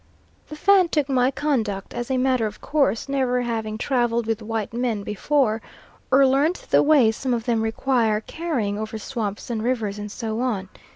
The Fan took my conduct as a matter of course, never having travelled with white men before, or learnt the way some of them require carrying over swamps and rivers and so on.